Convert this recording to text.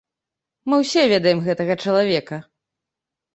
Мы ўсе ведаем гэтага чалавека.